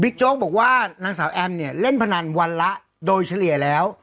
โจ๊กบอกว่านางสาวแอมเนี่ยเล่นพนันวันละโดยเฉลี่ยแล้ว